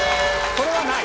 これはない。